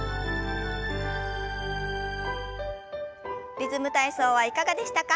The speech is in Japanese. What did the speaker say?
「リズム体操」はいかがでしたか？